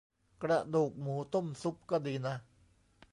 กระดูกหมูต้มซุป ก็ดีนะ